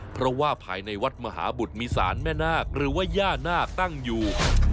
เพราะว่าภายในวัดมหาบุตรมีสารแม่นาคหรือว่าย่านาคตั้งอยู่